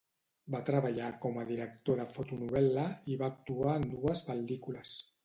Va treballar com a director de fotonovel·la i va actuar en dues pel·lícules.